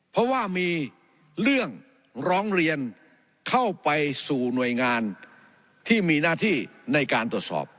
เพราะว่ามีเรื่องร้องเรียนเข้าไปสู่หน่วยงานที่มีหน้าที่ในการตรวจสอบ